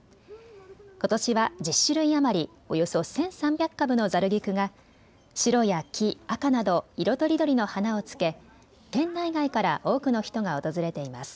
ことしは１０種類余り、およそ１３００株のざる菊が白や黄、赤など色とりどりの花をつけ県内外から多くの人が訪れています。